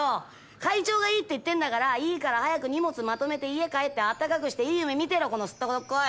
会長がいいって言ってんだからいいから早く荷物まとめて家帰って温かくしていい夢見てろこのすっとこどっこい！